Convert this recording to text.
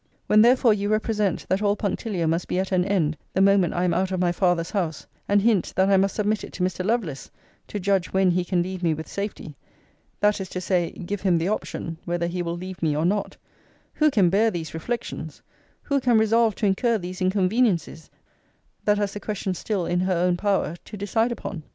When therefore you represent, that all punctilio must be at an end the moment I am out of my father's house; and hint, that I must submit it to Mr. Lovelace to judge when he can leave me with safety; that is to say, give him the option whether he will leave me, or not; who can bear these reflections, who can resolve to incur these inconveniencies, that has the question still in her own power to decide upon?